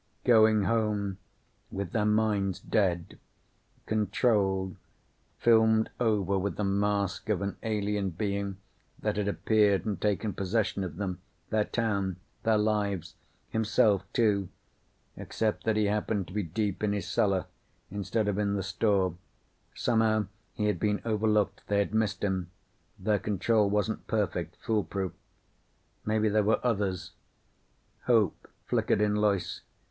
Going home with their minds dead. Controlled, filmed over with the mask of an alien being that had appeared and taken possession of them, their town, their lives. Himself, too. Except that he happened to be deep in his cellar instead of in the store. Somehow, he had been overlooked. They had missed him. Their control wasn't perfect, foolproof. Maybe there were others. Hope flickered in Loyce.